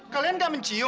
kalian nggak mencium